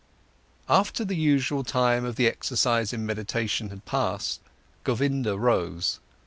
After the usual time of the exercise in meditation had passed, Govinda rose.